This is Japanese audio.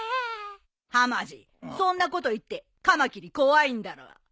はまじそんなこと言ってカマキリ怖いんだろう。